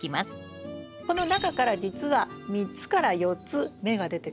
この中からじつは３つから４つ芽が出てくるんです。